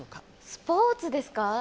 スポーツですか？